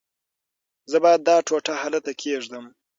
زه باید دا ټوټه هلته کېږدم.